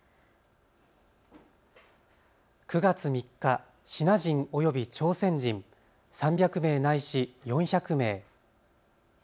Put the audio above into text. ９月３日、支那人及び朝鮮人３００名乃至４００名。